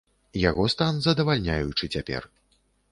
Яго стан здавальняючы цяпер.